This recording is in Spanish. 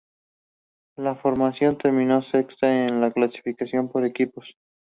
La formación terminó sexta en la clasificación por equipos.